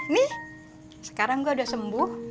nih sekarang gue udah sembuh